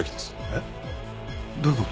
えっどういう事？